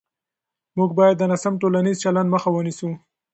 موږ باید د ناسم ټولنیز چلند مخه ونیسو.